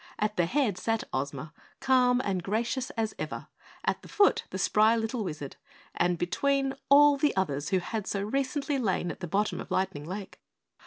At the head sat Ozma, calm and gracious as ever, at the foot the spry little Wizard, and between, all the others who had so recently lain at the bottom of Lightning Lake.